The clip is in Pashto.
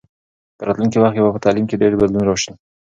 په راتلونکي وخت کې به په تعلیم کې ډېر بدلون راسي.